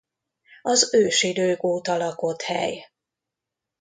Az ősidők óta lakott hely.